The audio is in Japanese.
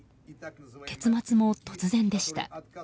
結末も突然でした。